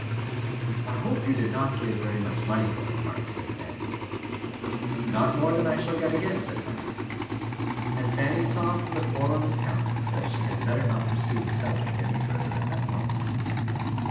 "I hope you did not give very much money for him, Mark," said Fanny. "Not more than I shall get again," said Mark; and Fanny saw from the form of his countenance that she had better not pursue the subject any further at that moment.